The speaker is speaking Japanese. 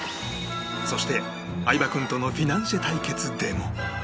そして相葉君とのフィナンシェ対決でも